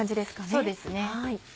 そうですね。